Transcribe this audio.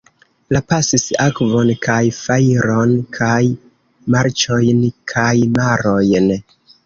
Li pasis akvon kaj fajron kaj marĉojn kaj marojn.